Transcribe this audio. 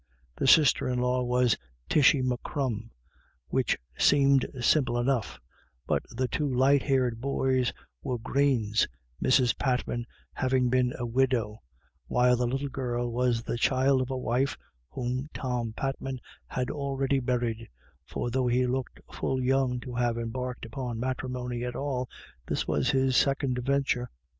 The sister in law was Tishy M'Crum, which seemed simple enough; but the two light haired boys were Greens, Mrs. Patman having been a widow, while the little girl was the child of a wife whom Tom Patman had already buried, for though he looked full young to have embarked upon matrimony at all, this was his sec ond venture.